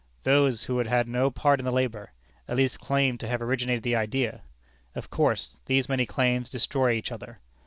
Those who had had no part in the labor, at least claimed to have originated the idea! Of course, these many claims destroy each other.